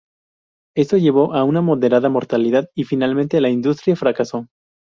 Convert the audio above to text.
Esto llevó a una moderada mortalidad y finalmente la industria fracasó.